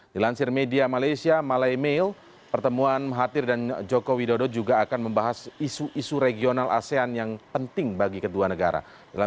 dilansir media malaysia malai mail pertemuan mahathir dan joko widodo juga akan membahas isu isu regional asean yang penting bagi kedua negara